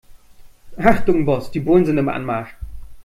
Achtung Boss, die Bullen sind im Anmarsch.